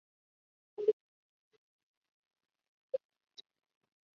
After the war he worked in the newspaper.